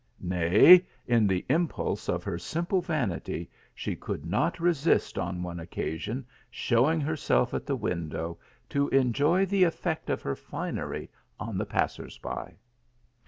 Nay, in the impulse of her simple vanity, she could not resist on one occasion showing herself at the window, to enjoy the effect of her finery on the passers by.